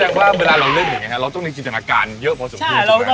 น่าแสดงว่าเวลาเราเลือกแบบนี้นะครับเราต้องในกิจตนาการเยอะพอสมมุติ